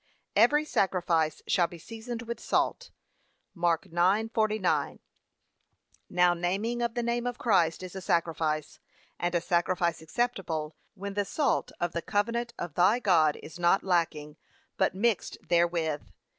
'Every sacrifice shall be seasoned with salt.' (Mark 9:49) Now naming of the name of Christ is a sacrifice, and a sacrifice acceptable, when the salt of the covenant of thy God is not lacking, but mixed therewith.